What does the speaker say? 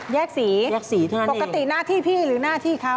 แยกสีปกติหน้าที่พี่หรือหน้าที่เขา